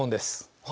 はい。